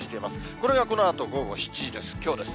これがこのあと午後７時です、きょうです。